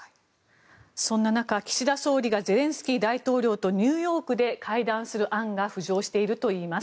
そんな中、岸田総理がゼレンスキー大統領とニューヨークで会談する案が浮上しているといいます。